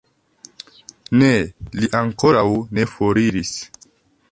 Ne, li ankoraŭ ne foriris.